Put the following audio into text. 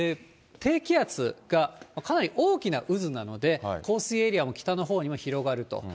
低気圧がかなり大きな渦なので、降水エリアも北のほうのにも、広がると。